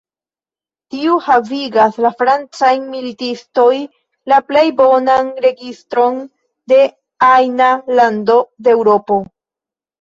Tio havigas al francaj militistoj la plej bonan registron de ajna lando de Eŭropo".